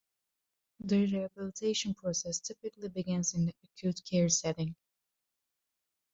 The rehabilitation process typically begins in the acute care setting.